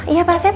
iya pak sep